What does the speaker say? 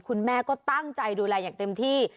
คุณแม่ก็ตั้งใจดูแลอย่างเต็มที่